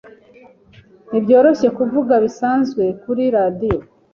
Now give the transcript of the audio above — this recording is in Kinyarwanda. Ntibyoroshye kuvuga bisanzwe kuri radio.